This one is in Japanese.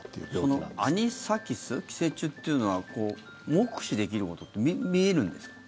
そのアニサキス寄生虫っていうのは目視できることって見えるんですか？